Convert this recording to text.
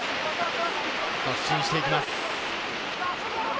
突進していきます。